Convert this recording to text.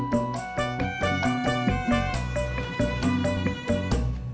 pertama kali aku dengerin